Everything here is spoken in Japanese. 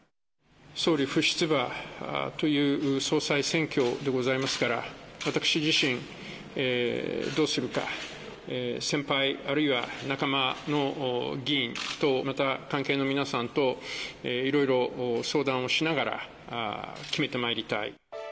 総理不出馬という総裁選挙でございますから、私自身、どうするか、先輩、あるいは仲間の議員と、また関係の皆さんといろいろ相談をしながら決めてまいりたい。